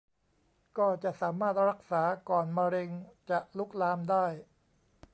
ก็จะสามารถรักษาก่อนมะเร็งจะลุกลามได้